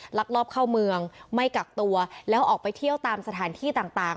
ลักลอบเข้าเมืองไม่กักตัวแล้วออกไปเที่ยวตามสถานที่ต่าง